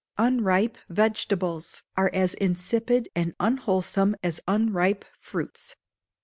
Unripe vegetables are as insipid and unwholesome as unripe fruits.